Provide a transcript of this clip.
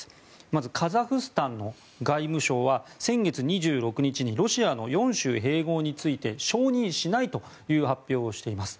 まず、カザフスタンの外務省は先月２６日にロシアの４州併合について承認しないという発表をしています。